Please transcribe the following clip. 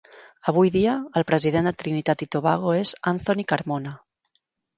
Avui dia, el president de Trinitat i Tobago és Anthony Carmona.